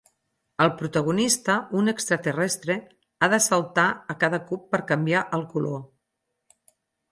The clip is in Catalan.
El protagonista, un extraterrestre, ha de saltar a cada cub per canviar el color.